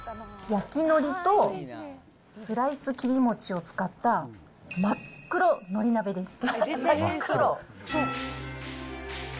焼きのりとスライス切り餅を使ったまっ黒のり鍋です。